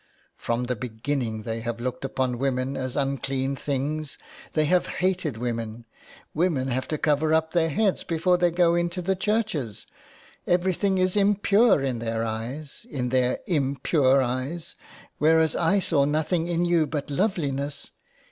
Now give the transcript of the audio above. From the beginning they have looked upon women as unclean things. They have hated woman. Women have to cover up their heads before they go into the churches. Everything is impure in their eyes, in their impure eyes, whereas I saw nothing in you but loveliness.